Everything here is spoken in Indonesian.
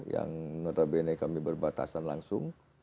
yang notabene kami berbatasan langsung